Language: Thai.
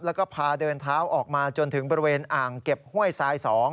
แล้วก็พาเดินเท้าออกมาจนถึงบริเวณอ่างเก็บห้วยทราย๒